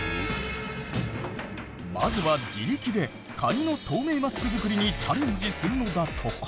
まずは自力でカニの透明マスク作りにチャレンジするのだとか。